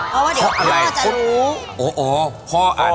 เพราะว่าเด็กพ่อจะรู้